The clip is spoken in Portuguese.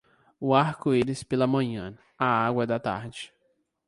O arco-íris pela manhã, a água da tarde.